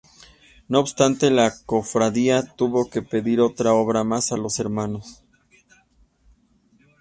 No obstante la cofradía tuvo que pedir otra obra más a los hnos.